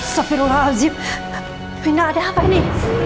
safirullahaladzim rina ada apa ini